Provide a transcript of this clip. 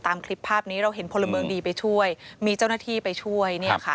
ตามคลิปภาพนี้เราเห็นพลเมืองดีไปช่วยมีเจ้าหน้าที่ไปช่วย